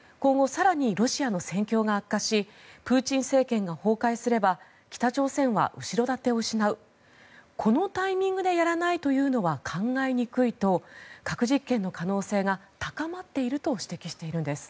更にロシアの戦況が悪化しプーチン政権が崩壊すれば北朝鮮は後ろ盾を失うこのタイミングでやらないというのは考えにくいと核実験の可能性が高まっていると指摘しているんです。